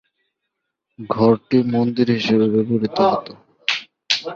ঘরটি মন্দির হিসেবে ব্যবহৃত হতো।